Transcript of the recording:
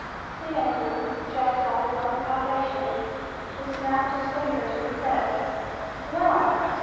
Seeing him, Jeff saw his own salvation. He snapped his fingers and said, "Well!